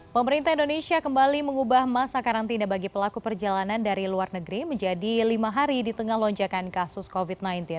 pemerintah indonesia kembali mengubah masa karantina bagi pelaku perjalanan dari luar negeri menjadi lima hari di tengah lonjakan kasus covid sembilan belas